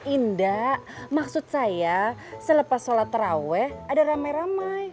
indah maksud saya selepas sholat terawih ada ramai ramai